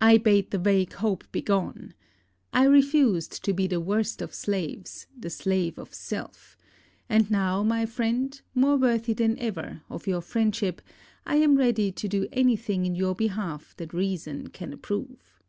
I bade the vague hope begone. I refused to be the worst of slaves, the slave of self; and now, my friend, more worthy than ever of your friendship, I am ready to do any thing in your behalf that reason can approve.